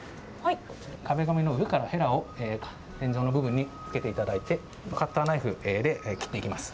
壁紙の上からへらを天井の部分につけていただいて、カッターナイフで切っていきます。